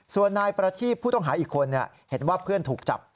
ส่วนนายประทีบผู้ต้องหาอีกคนเห็นว่าเพื่อนถูกจับ